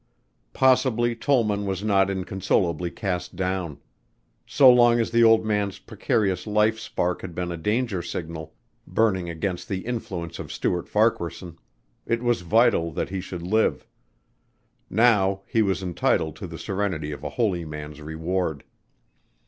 Possibly Tollman was not inconsolably cast down. So long as the old man's precarious life spark had been a danger signal, burning against the influence of Stuart Farquaharson, it was vital that he should live. Now he was entitled to the serenity of a holy man's reward.